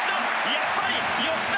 やっぱり吉田！